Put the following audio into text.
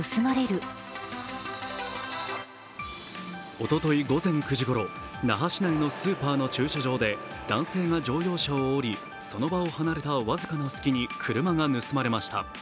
おととい午前９時ごろ、那覇市内のスーパーの駐車場で男性が乗用車を降り、その場を離れた僅かな隙に車が盗まれました。